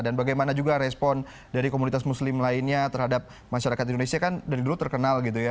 dan bagaimana juga respon dari komunitas muslim lainnya terhadap masyarakat indonesia kan dari dulu terkenal gitu ya